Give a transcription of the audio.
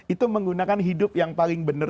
itu menggunakan hidup yang paling benar